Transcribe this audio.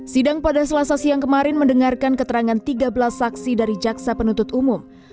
sidang pada selasa siang kemarin mendengarkan keterangan tiga belas saksi dari jaksa penuntut umum